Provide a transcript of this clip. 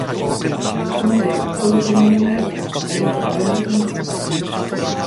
彼女が着ていたもの以外は何も取られませんでした。